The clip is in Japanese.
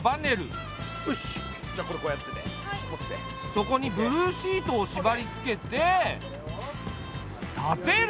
そこにブルーシートを縛りつけて立てる。